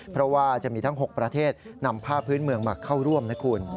เพราะว่าจะมีทั้ง๖ประเทศนำผ้าพื้นเมืองมาเข้าร่วมนะคุณ